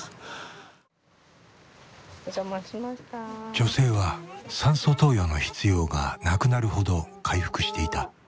女性は酸素投与の必要がなくなるほど回復していた。